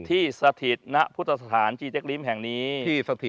ที่สถิตนผุตภารณจีเด็กริ้มแห่งนี้